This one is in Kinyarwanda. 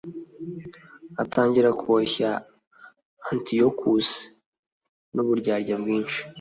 atangira koshya antiyokusi n'uburyarya bwinshi